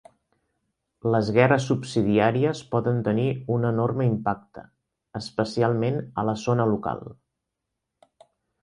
Les guerres subsidiàries poden tenir un enorme impacte, especialment a la zona local.